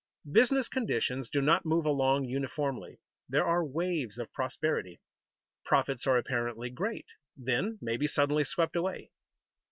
Business conditions do not move along uniformly. There are waves of prosperity. Profits are apparently great, then may be suddenly swept away.